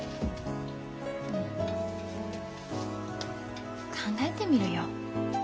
うん考えてみるよ。